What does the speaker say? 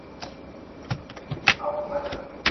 تاسي دا کاغذباد په دغه میدان کي البوځئ.